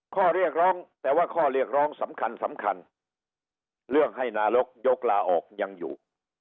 ข้อเรียกร้องแต่ว่าข้อเรียกร้องสำคัญสำคัญเรื่องให้นายกยกลาออกยังอยู่